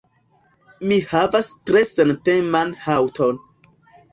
Mi havas tre senteman haŭton.